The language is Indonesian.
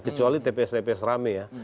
kecuali tps tps rame ya